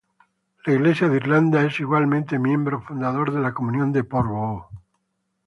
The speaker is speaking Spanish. La Iglesia de Irlanda es igualmente miembro fundador de la Comunión de Porvoo.